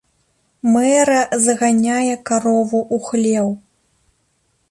Мэра заганяе карову ў хлеў.